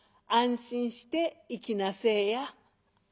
安心して行きなせえや」。